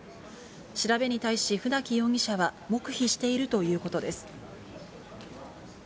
調べに対し、船木容疑者は黙秘しているということです。